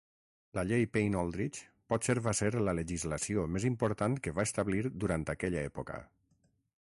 La llei Payne-Aldrich potser va ser la legislació més important que va establir durant aquella època.